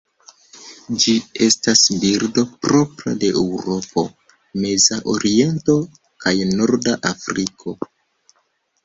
Ĝi estas birdo propra de Eŭropo, Meza Oriento kaj Norda Afriko.